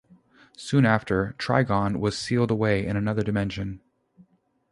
Soon after, Trigon was sealed away in another dimension.